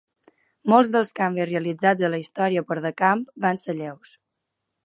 Molts dels canvis realitzats a la història per de Camp van ser lleus.